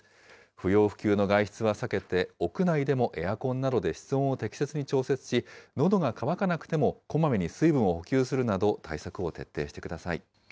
不要不急の外出は避けて、屋内でもエアコンなどで室温を適切に調節し、のどが渇かなくてもこまめに水分を補給するなど、対策を徹